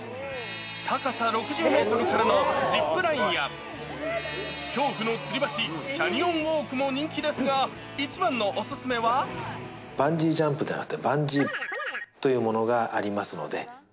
高さ６０メートルからのジップラインや、恐怖のつり橋、キャニオンウォークも人気ですが、一番のバンジージャンプではなくて、バンジー×××というものがありますので。